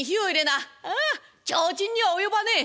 「ああ提灯には及ばねえ」。